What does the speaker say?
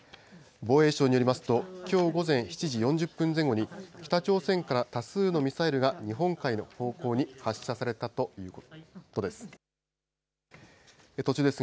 防衛省によりますと、きょう午前７時４０分前後に、北朝鮮から多数のミサイルが日本海の方向に発射されたということです。